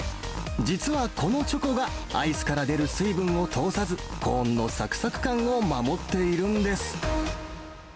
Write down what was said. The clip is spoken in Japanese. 実はこのチョコが、アイスから出る水分を通さず、コーンのさくさく感を守っているんです。